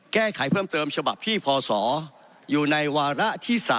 แก้ไขเพิ่มเติมฉบับที่พศอยู่ในวาระที่๓